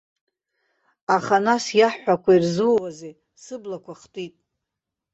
Аха нас, иаҳҳәақәо ирзууазеи, сыблақәа хтит.